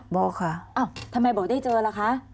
บอกค่ะอ้าวทำไมบอกได้เจอล่ะคะ